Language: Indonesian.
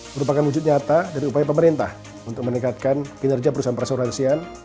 merupakan wujud nyata dari upaya pemerintah untuk meningkatkan kinerja perusahaan perasuransian